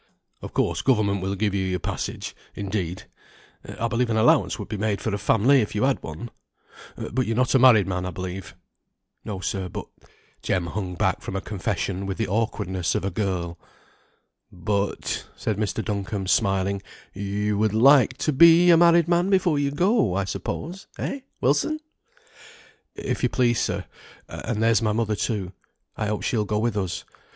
"Of course government will give you your passage; indeed, I believe an allowance would be made for a family if you had one; but you are not a married man, I believe?" "No, sir, but " Jem hung back from a confession with the awkwardness of a girl. "But " said Mr. Duncombe, smiling, "you would like to be a married man before you go, I suppose; eh, Wilson?" "If you please, sir. And there's my mother, too. I hope she'll go with us.